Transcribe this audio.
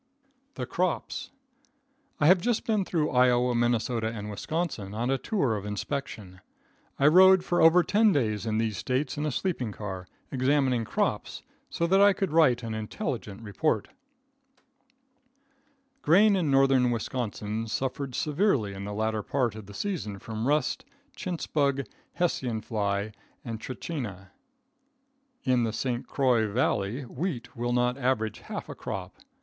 The Crops. I have just been through Iowa, Minnesota and Wisconsin, on a tour of inspection. I rode for over ten days in these States in a sleeping car, examining crops, so that I could write an intelligent report. Grain in Northern Wisconsin suffered severely in the latter part of the season from rust, chintz bug, Hessian fly and trichina. In the St. Croix valley wheat will not average a half crop.